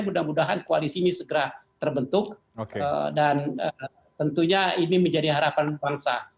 mudah mudahan koalisi ini segera terbentuk dan tentunya ini menjadi harapan bangsa